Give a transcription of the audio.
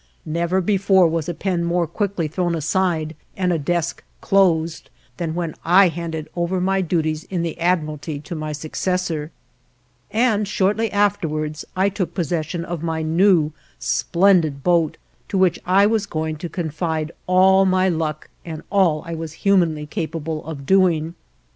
Never before was a pen more quickly thrown aside and a desk closed than when I handed over my duties in the Admiralty to my successor, and shortly afterwards I took possession of my new, splendid boat, to which I was going to confide all my luck and all I was humanly capable of doing.